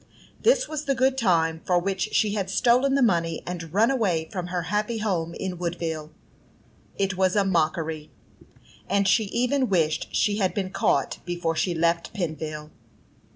This was the good time for which she had stolen the money and run away from her happy home at Woodville. It was a mockery, and she even wished she had been caught before she left Pennville.